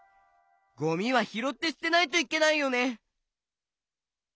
ゴミはひろってすてないといけないよね！